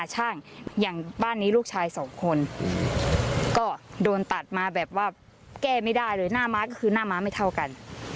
หน้าม้าก็คือหน้าม้าไม่เท่ากัน